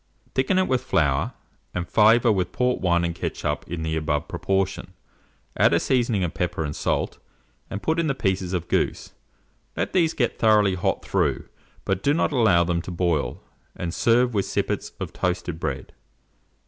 Thicken it with flour, and flavour with port wine and ketchup, in the above proportion; add a seasoning of pepper and salt, and put in the pieces of goose; let these get thoroughly hot through, but do not allow them to boil, and serve with sippets of toasted bread.